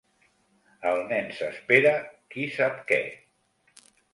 El nen s'espera qui sap què.